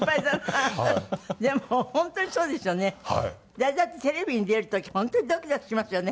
誰だってテレビに出る時本当にドキドキしますよね。